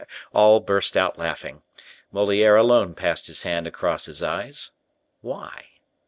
All burst out laughing. Moliere alone passed his hand across his eyes. Why?